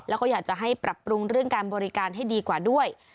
แล้วก็อยากจะให้ปรับปรุงเรื่องการบริการให้ดีกว่าด้วย